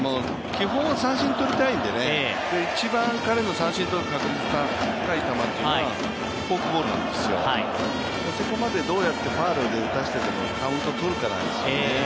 基本は三振を取りたいので一番、彼が三振を取る確率が高い球っていうのは、フォークボールなんですよ、そこまでどうやってファウルで打たせてでもカウントとるかなんですよね。